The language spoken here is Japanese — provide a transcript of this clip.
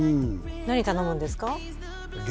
何頼むんですか？